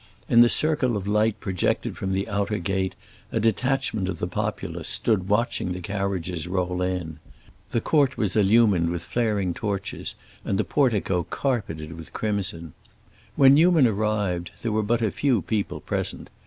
In the circle of light projected from the outer gate a detachment of the populace stood watching the carriages roll in; the court was illumined with flaring torches and the portico carpeted with crimson. When Newman arrived there were but a few people present.